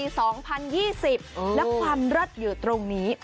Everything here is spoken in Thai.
และความเลิศอยู่ตรงนี้